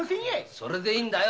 それでいいんだよ。